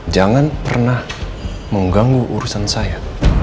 jangan pernah mengganggu urusan saya